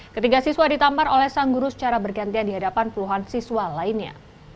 ketiga siswa ditampar oleh sang guru secara bergantian di hadapan puluhan siswa lainnya